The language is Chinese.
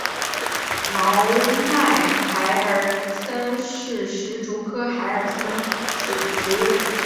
毛脉孩儿参为石竹科孩儿参属的植物。